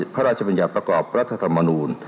พระราชบัญญาประกอบประธธรรมนูล